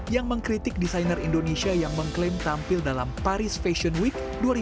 yang mengkritik desainer indonesia yang mengklaim tampil dalam paris fashion week dua ribu dua puluh